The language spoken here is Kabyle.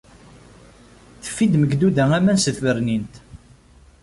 Teffi-d Megduda aman seg tbernint.